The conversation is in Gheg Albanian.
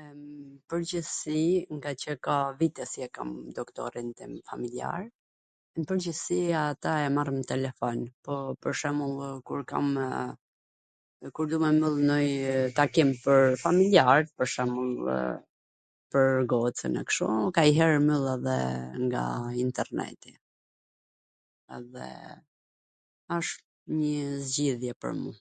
N pwrgjithsi, ngaqw ka vite qw e kam doktorin tim familjar, nw pwrgjithsi ata e marr n telefon, po, pwr shwmbullw, kur kamw... kur du me myll ndonjw takim pwr familjart, pwr shwmbullw pwr gocwn e kshu, kanjher e myll edhe nga interneti, edhe asht njw zgjidhje pwr mu.